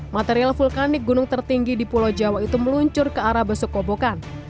material vulkanik gunung tertinggi di pulau jawa itu meluncur ke arah besukobokan